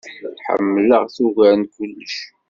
Ḥemleɣ-t ugar n kullec.